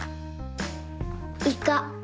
イカ。